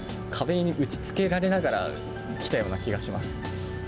壁に打ちつけられながら来たような気がします。